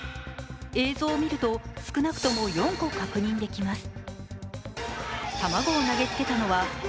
映像を見ると、少なくとも４個確認できます。